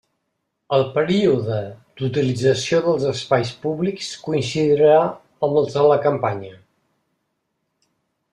El període d'utilització dels espais públics coincidirà amb els de la campanya.